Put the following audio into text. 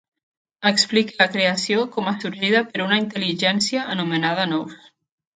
Explique la creació com a sorgida per una intel·ligència anomenada nous.